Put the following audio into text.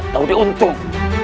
jatuh di untung